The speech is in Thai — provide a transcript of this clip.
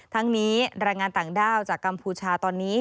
ทั้งนี้แรงงานต่างด้าวจากกัมพูชาตอนนี้